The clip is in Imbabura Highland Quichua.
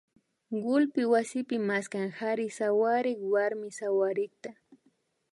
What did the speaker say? kullpi wasipi maskan kari sawarik warmi sawarikta